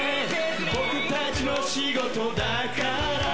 僕達の仕事だから